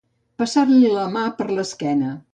Passar-li la mà per l'esquena.